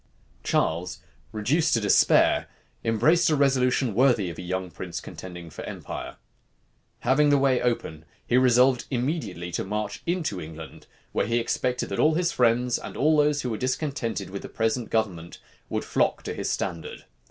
Charles, reduced to despair, embraced a resolution worthy of a young prince contending for empire. Having the way open, he resolved immediately to march into England, where he expected that all his friends, and all those who were discontented with the present government, would flock to his standard.